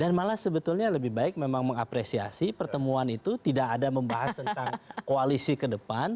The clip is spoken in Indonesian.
dan malah sebetulnya lebih baik memang mengapresiasi pertemuan itu tidak ada membahas tentang koalisi ke depan